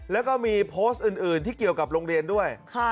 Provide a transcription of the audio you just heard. แล้วก็มีโพสต์อื่นที่เกี่ยวกับโรงเรียนด้วย